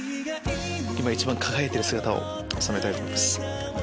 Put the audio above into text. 一番輝いてる姿を収めたいと思います。